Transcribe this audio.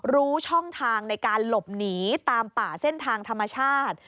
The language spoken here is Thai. รู้ช่องทางในการหลบหนีตามป่าเส้นทางธรรมชาติ